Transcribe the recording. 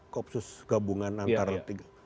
koopsus gabungan antara tiga